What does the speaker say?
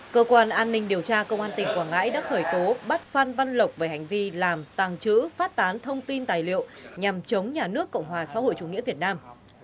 cơ quan an ninh điều tra công an tỉnh quảng ngãi đã khởi tố bắt phan văn lộc về hành vi làm tàng trữ phát tán thông tin tài liệu nhằm chống nhà nước cộng hòa xã hội chủ nghĩa việt nam